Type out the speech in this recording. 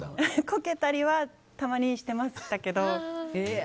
こけたりはたまにしてましたけど。